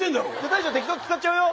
大将適当に使っちゃうよ。